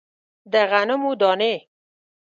د غنمو دانې